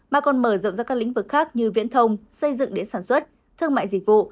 mà còn mở rộng ra các lĩnh vực khác như viễn thông xây dựng địa sản xuất thương mại dịch vụ